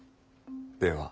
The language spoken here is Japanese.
では。